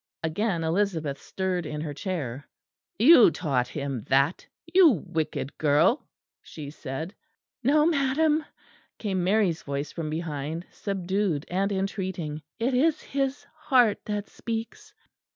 Again Elizabeth stirred in her chair. "You taught him that, you wicked girl," she said. "No, madam," came Mary's voice from behind, subdued and entreating, "it is his heart that speaks."